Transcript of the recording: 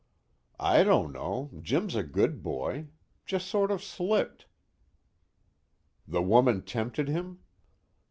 "I don't know. Jim's a good boy. Just sort of slipped." "The woman tempted him?"